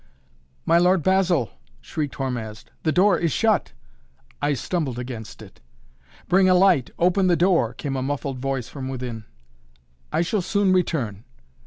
"My Lord Basil " shrieked Hormazd, "the door is shut " "I stumbled against it." "Bring a light open the door " came a muffled voice from within. "I shall soon return."